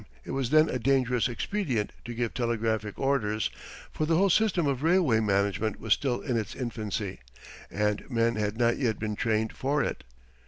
It was then a dangerous expedient to give telegraphic orders, for the whole system of railway management was still in its infancy, and men had not yet been trained for it.